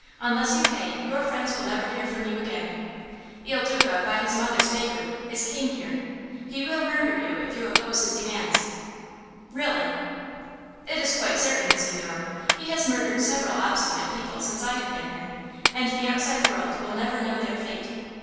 Unless you pay, your friends will never hear from you again. Il Duca, by his mother's favor, is king here. He will murder you if you oppose his demands." "Really?" "It is quite certain, signore. He has murdered several obstinate people since I have been here, and the outside world will never know their fate.